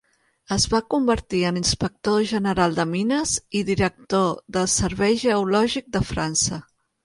Es va convertir en inspector general de mines, i director del Servei Geològic de França.